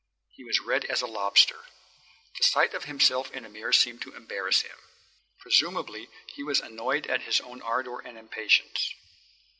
He was red as a lobster. The sight of himself in a mirror seemed to embarrass him. Presumably he was annoyed at his own ardour and impatience.